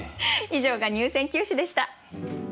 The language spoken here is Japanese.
以上が入選九首でした。